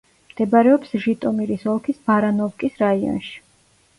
მდებარეობს ჟიტომირის ოლქის ბარანოვკის რაიონში.